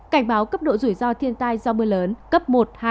cảnh báo cấp độ rủi ro thiên tai do mưa lớn cấp một hai